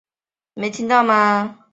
先到公车站就赶快上车